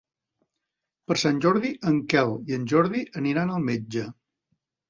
Per Sant Jordi en Quel i en Jordi aniran al metge.